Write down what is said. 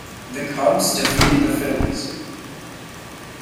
The Cubs defeated the Phillies.